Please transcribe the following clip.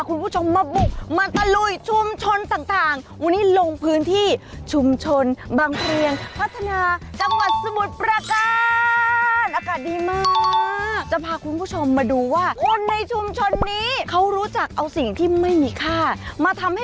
ก็ไม่ได้มีความรู้อะไรหรอกนะคะ